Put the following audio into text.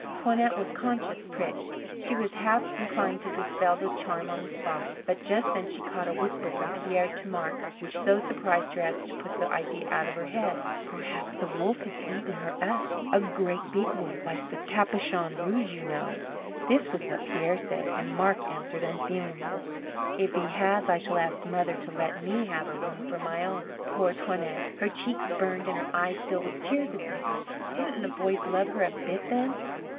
Toinette was conscious pricked. She was half inclined to dispel the charm on the spot. But just then she caught a whisper from Pierre to Marc which so surprised her as to put the idea out of her head. "Perhaps a wolf has eaten her up a great big wolf like the 'Capuchon Rouge,' you know." This was what Pierre said; and Marc answered unfeelingly: "If he has, I shall ask mother to let me have her room for my own." Poor Toinette, her cheeks burned and her eyes filled with tears at this. Didn't the boys love her a bit then?